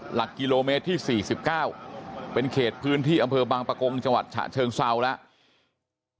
หลักกิโลเมตรที่๔๙เป็นเขตพื้นที่อำเภอบางปะกงจังหวัดฉะเชิงเซาแล้ว